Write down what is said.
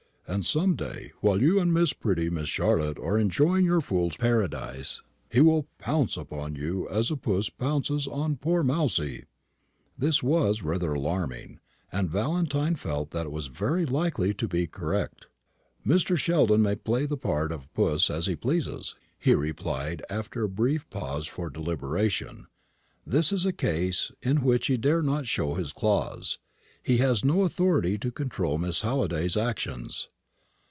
And some day, while you and pretty Miss Charlotte are enjoying your fool's paradise, he will pounce upon you just as puss pounces on poor mousy." This was rather alarming, and Valentine felt that it was very likely to be correct. "Mr. Sheldon may play the part of puss as he pleases," he replied after a brief pause for deliberation; "this is a case in which he dare not show his claws. He has no authority to control Miss Halliday's actions."